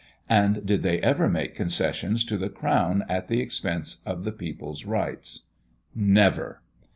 And did they ever make concessions to the crown at the expense of the people's rights? Never!